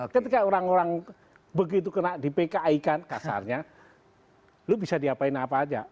ketika orang orang begitu kena di pki kan kasarnya lo bisa diapain apa aja